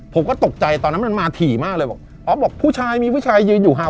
ผมก็ตกใจตอนนั้นมันมาถี่มากเลยบอกอ๋อบอกผู้ชายมีผู้ชายยืนอยู่ห่าง